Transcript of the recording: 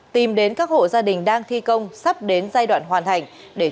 tìm đến các hộ gia đình đang thi công sắp đến giai đoạn hoàn thành